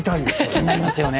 気になりますよね。